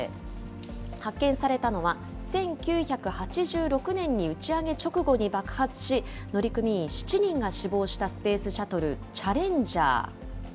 発見されたのは、１９８６年に打ち上げ直後に爆発し、乗組員７人が死亡したスペースシャトル、チャレンジャー。